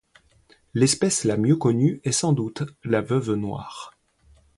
L'espèce la mieux connue est sans doute la veuve noire.